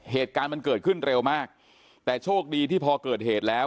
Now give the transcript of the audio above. เหตุการณ์มันเกิดขึ้นเร็วมากแต่โชคดีที่พอเกิดเหตุแล้ว